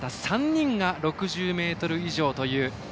３人が６０ｍ以上という。